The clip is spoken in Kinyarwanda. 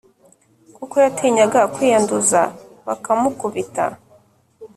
kuko yatinyaga kwiyanduza bakamukubita